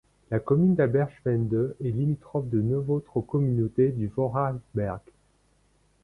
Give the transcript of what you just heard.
La commune d'Alberschwende est limitrophe de neuf autres communautés du Vorarlberg.